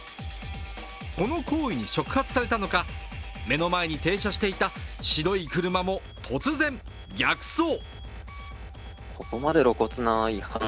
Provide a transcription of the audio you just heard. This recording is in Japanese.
この行為に触発されたのか、目の前に停車していた白い車も突然、逆走。